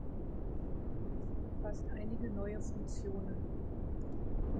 Sie umfasst einige neue Funktionen.